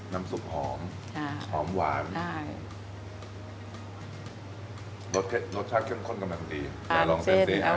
น้ำสุกหอมหอมหวานรสชาติเข้มข้นกำลังดีลองแบบนี้ครับ